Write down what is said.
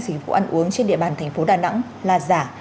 sĩ phụ ăn uống trên địa bàn thành phố đà nẵng là giả